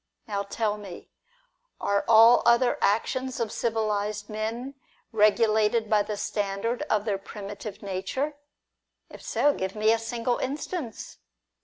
Now tell me : are all other actions of civilised men regulated by the standard of their primitive nature ? If so, give me a single instance.